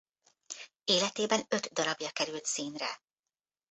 Életében öt darabja került színre.